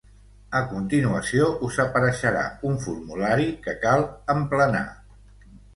A continuació us apareixerà un formulari que cal emplenar.